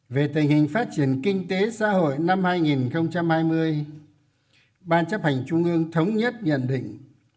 về tình hình phát triển kinh tế xã hội năm hai nghìn hai mươi ban chấp hành trung ương thống nhất nhận định